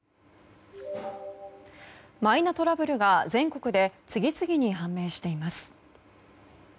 マイナトラブルが全国で次々に判明しています。